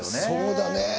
そうだね。